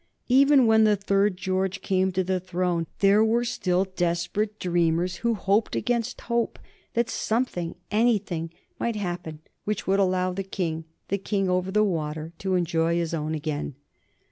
Even when the third George came to the throne there were still desperate dreamers who hoped against hope that something, anything, might happen which would allow the King the King over the water to enjoy his own again.